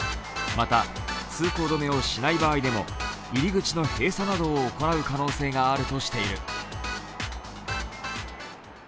また、通行止めをしない場合でも入り口の閉鎖などを行う可能性があるとしている。